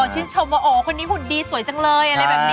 ชมว่าโอ้คนนี้หุ่นดีสวยจังเลย